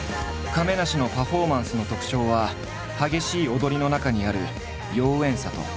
亀梨のパフォーマンスの特長は激しい踊りの中にある妖艶さとつやっぽさ。